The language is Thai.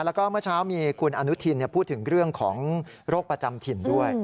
แล้วก็เมื่อเช้ามีคุณอนุทินพูดถึงเรื่องของโรคประจำถิ่นด้วย